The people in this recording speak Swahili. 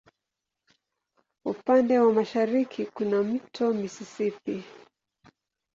Upande wa mashariki kuna wa Mto Mississippi.